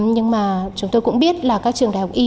nhưng mà chúng tôi cũng biết là các trường đại học y